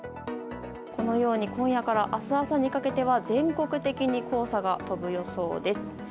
このように今夜から明日朝にかけては全国的に黄砂が飛ぶ予想です。